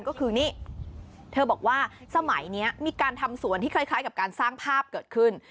ก็คือนี่เธอบอกว่าสมัยนี้มีการทำสวนที่คล้ายกับการสร้างภาพเกิดขึ้น